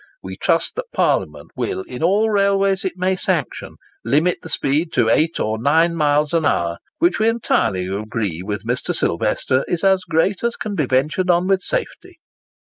We trust that Parliament will, in all railways it may sanction, limit the speed to eight or nine miles an hour, which we entirely agree with Mr. Sylvester is as great as can be ventured on with safety."